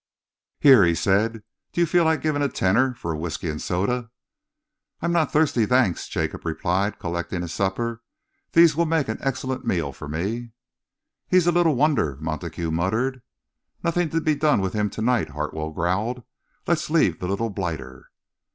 "Here," he said, "do you feel like giving a tenner for a whisky and soda?" "I'm not thirsty, thanks," Jacob replied, collecting his supper. "These will make an excellent meal for me." "He's a little wonder," Montague muttered. "Nothing to be done with him to night," Hartwell growled. "Let's leave the little blighter."